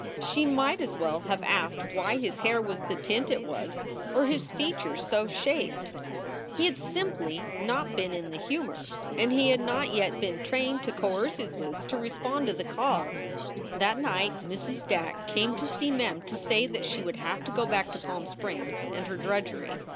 She might as well have asked why his hair was the tint it was or his features so shaped. He had simply not been in the humor, and he had not yet been trained to coerce his moods to respond to the call. 256 SOULS FOR SALE That night Mrs. Back came to see Mem to say that she would have to go back to Palm Springs and her drudgery.